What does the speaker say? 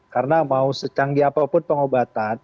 karena mau secanggih apapun pengobatan